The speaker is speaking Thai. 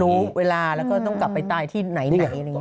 รู้เวลาแล้วก็ต้องกลับไปตายที่ไหนอะไรอย่างนี้